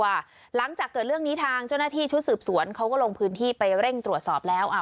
หลังจากเกิดเรื่องนี้ทางเจ้าหน้าที่ชุดสืบสวนเขาก็ลงพื้นที่ไปเร่งตรวจสอบแล้ว